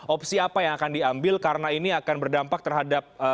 opsi apa yang akan diambil karena ini akan berdampak terhadap